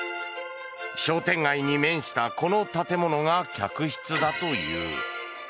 商店街に面したこの建物が客室だという。